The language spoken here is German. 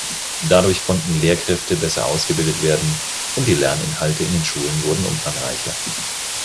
Dadurch konnten Lehrkräfte besser ausgebildet werden und die Lerninhalte in den Schulen wurden umfangreicher.